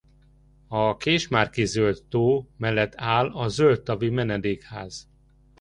A Késmárki Zöld-tó mellett áll a Zöld-tavi menedékház.